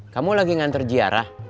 kamu lagi ngantor jiarah